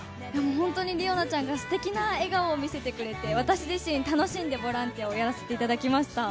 本当に理央奈ちゃんがすてきな笑顔を見せてくれて、私自身、楽しんでボランティアをやらせていただきました。